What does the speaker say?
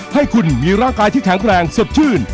ให้คุณมีร่างกายที่แข็งแรงสดชื่น